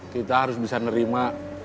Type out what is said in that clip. kita harus bisa nerima